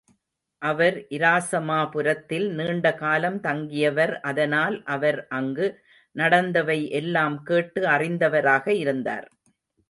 அவர் இராசமா புரத்தில் நீண்ட காலம் தங்கியவர் அதனால் அவர் அங்கு நடந்தவை எல்லாம் கேட்டு அறிந்தவராக இருந்தார்.